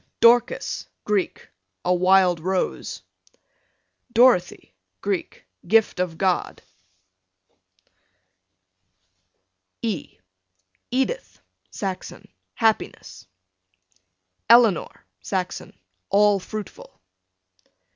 Dorcas, Greek, a wild roe. Dorothy, Greek, gift of God. E Edith, Saxon, happiness. Eleanor, Saxon, all fruitful.